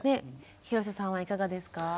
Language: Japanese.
広瀬さんはいかがですか？